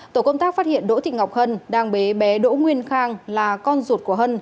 tổ công tác phát hiện đỗ thị ngọc hân đang bế bé đỗ nguyên khang là con ruột của hân